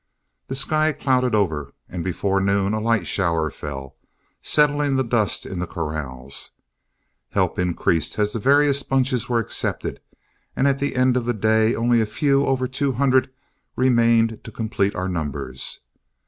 The sky clouded over, and before noon a light shower fell, settling the dust in the corrals. Help increased as the various bunches were accepted, and at the end of the day only a few over two hundred remained to complete our numbers.